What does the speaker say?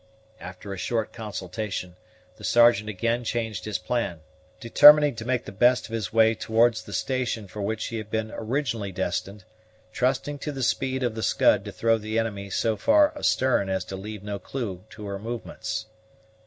After a short consultation, the Sergeant again changed his plan, determining to make the best of his way towards the station for which he had been originally destined, trusting to the speed of the Scud to throw the enemy so far astern as to leave no clue to her movements.